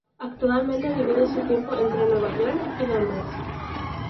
Actualmente divide su tiempo entre Nueva York, y Londres.